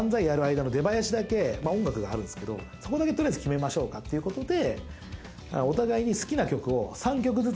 間の出囃子だけ音楽があるんですけどそこだけとりあえず決めましょうかっていうことで。